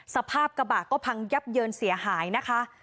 สภาพกระบะก็พังยับเยินเสียหายนะคะ